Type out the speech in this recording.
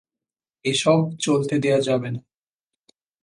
এসব চলতে দেয়া যাবে না।